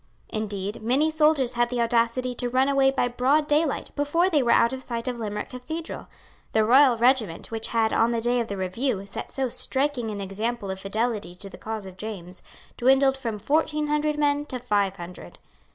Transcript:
Indeed, many soldiers had the audacity to run away by broad daylight before they were out of sight of Limerick Cathedral. The Royal regiment, which had, on the day of the review, set so striking an example of fidelity to the cause of James, dwindled from fourteen hundred men to five hundred.